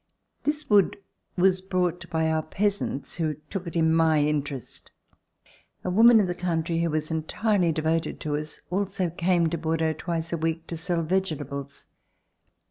This wood was brought by our peasants who took it in my interest. A woman of the country, who was entirely devoted to us, also came to Bordeaux twice a week to sell vegetables.